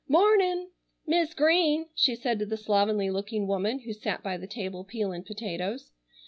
"Mornin'! Mis' Green," she said to the slovenly looking woman who sat by the table peeling potatoes.